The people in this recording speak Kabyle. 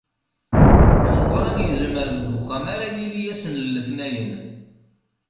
Meqqran yezmer deg uxxam ara yili ass n letnayen.